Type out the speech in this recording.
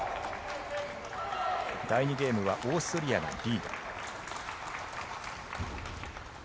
第２ゲームはオーストリアがリード。